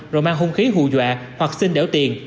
rồi mang hung khí hù dọa hoặc xin đẻo tiền